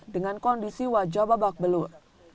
dengan kondisi wajah babak belur